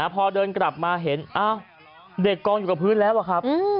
พอเดินกลับมาเห็นอ้าวเด็กกองอยู่กับพื้นแล้วอะครับ